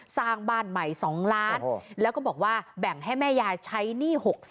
สร้างบ้านใหม่๒ล้านแล้วก็บอกว่าแบ่งให้แม่ยายใช้หนี้๖๐๐